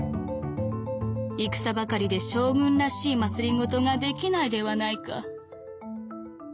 戦ばかりで将軍らしい政ができないではないか」。